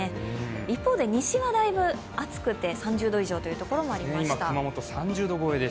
一方で、西は大分暑くて３０度以上というところもありました。